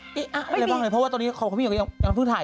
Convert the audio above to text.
เพราะว่าตอนนี้ผ่านเขาเมียก็ยังภรรยาศ